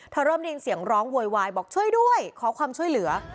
เริ่มได้ยินเสียงร้องโวยวายบอกช่วยด้วยขอความช่วยเหลือ